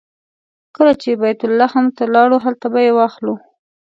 کله چې بیت لحم ته لاړو هلته به یې واخلو.